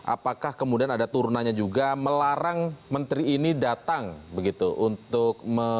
apakah kemudian ada turunannya juga melarang menteri ini datang begitu untuk